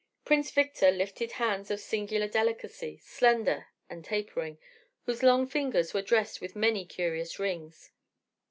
Prince Victor lifted hands of singular delicacy, slender and tapering, whose long fingers were dressed with many curious rings.